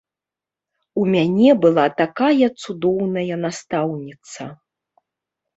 У мяне была такая цудоўная настаўніца.